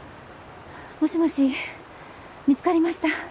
もしもし見つかりました。